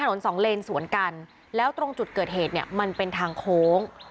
สองเลนสวนกันแล้วตรงจุดเกิดเหตุเนี่ยมันเป็นทางโค้ง